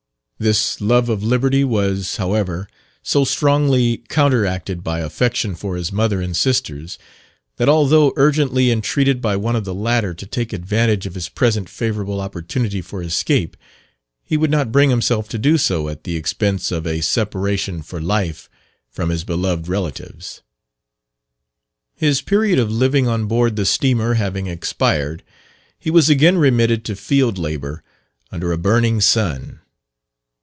This love of liberty was, however, so strongly counteracted by affection for his mother and sisters, that although urgently entreated by one of the latter to take advantage of his present favourable opportunity for escape, he would not bring himself to do so at the expense of a separation for life from his beloved relatives. His period of living on board the steamer having expired, he was again remitted to field labour, under a burning sun.